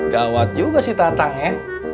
gawat juga si tante